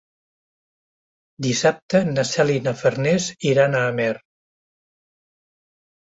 Dissabte na Cel i na Farners iran a Amer.